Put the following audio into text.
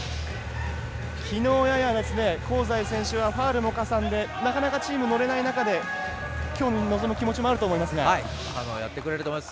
きのうはやや香西選手はファウルもかさんでなかなかチームが乗れない中できょうに臨む気持ちもやってくれると思います。